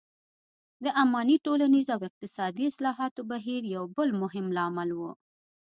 د اماني ټولنیز او اقتصادي اصلاحاتو بهیر یو بل مهم لامل و.